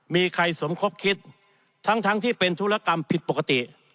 มีใครสมคบคิดทั้งที่เป็นธุรกรรมผิดปกติ